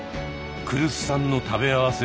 来栖さんの「食べ合わせ」